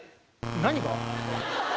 何が？